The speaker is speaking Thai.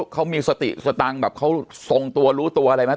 เขามีสติสตังค์แบบเขาทรงตัวรู้ตัวอะไรไหม